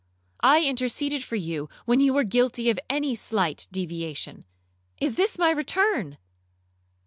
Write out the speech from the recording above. I interceded for you when you were guilty of any slight deviation—Is this my return?'